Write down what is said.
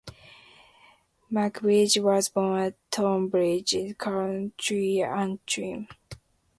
McBride was born at Toomebridge, County Antrim.